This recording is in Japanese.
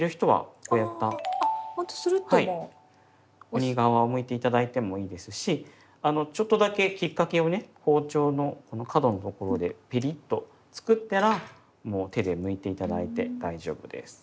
鬼皮をむいて頂いてもいいですしちょっとだけきっかけをね包丁の角のところでペリッとつくったらもう手でむいて頂いて大丈夫です。